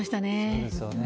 そうですよね。